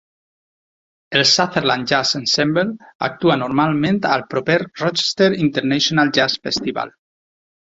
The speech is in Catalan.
El Sutherland Jazz Ensemble actua normalment al proper Rochester International Jazz Festival.